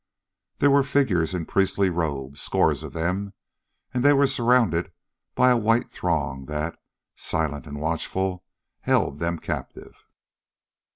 There were figures in priestly robes scores of them and they were surrounded by a white throng that, silent and watchful, held them captive.